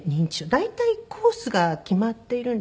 大体コースが決まっているんですね。